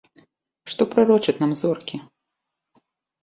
Што прарочаць нам зоркі?